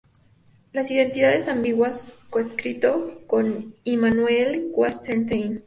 Las identidades ambiguas", coescrito con Immanuel Wallerstein.